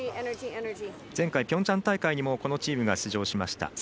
前回、ピョンチャン大会にもこのチームが出場しました。